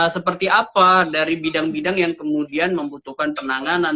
seperti apa dari bidang bidang yang kemudian membutuhkan penanganan